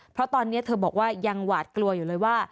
เพราะตอนนี้เธอบอกว่ายังหวาดกลัวอยู่เลยว่า